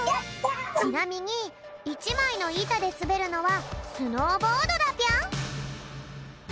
ちなみに１まいのいたですべるのはスノーボードだぴょん。